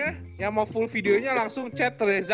pokoknya yang mau full videonya langsung chat reza empat puluh satu